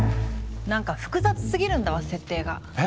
なんか複雑すぎるんだわ設定が。え？